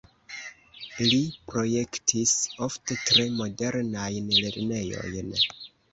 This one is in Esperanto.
Li projektis ofte tre modernajn lernejojn.